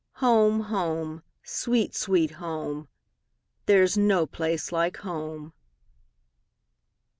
home! sweet, sweet home! There 's no place like home!